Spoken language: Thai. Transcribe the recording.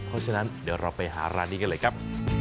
เพราะฉะนั้นเดี๋ยวเราไปหาร้านนี้กันเลยครับ